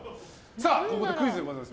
ここでクイズでございます。